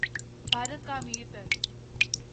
بھارت کا امیر تر